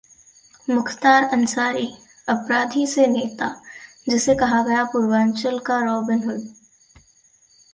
मुख्तार अंसारी: अपराधी से नेता, जिसे कहा गया पूर्वांचल का रॉबिनहुड